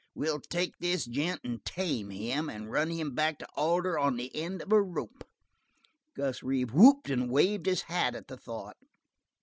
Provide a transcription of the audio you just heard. We'll take this gent and tame him, and run him back to Alder on the end of a rope." Gus Reeve whooped and waved his hat at the thought.